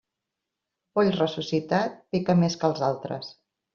Poll ressuscitat, pica més que els altres.